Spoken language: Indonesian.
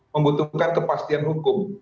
membutuhkan kepastian hukum